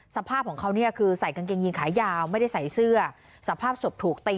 สภาพของเขาเนี่ยคือใส่กางเกงยีนขายาวไม่ได้ใส่เสื้อสภาพศพถูกตี